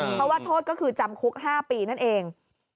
เพราะว่าโทษก็คือจำคุก๕ปีนั่นเอง